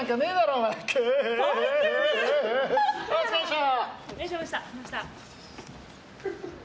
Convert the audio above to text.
お疲れ様でした！